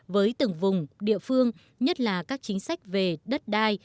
với từng vùng địa phương nhất là các chính sách về đất đai